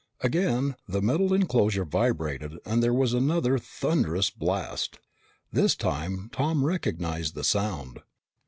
Again the metal enclosure vibrated and there was another thunderous blast. This time Tom recognized the sound.